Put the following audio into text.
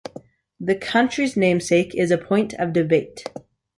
The county's namesake is a point of debate.